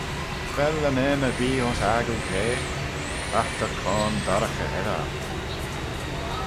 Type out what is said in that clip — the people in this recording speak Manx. Vel unnane erbee ayns aggle gra? Agh ta coan dorraghey eddyr oc.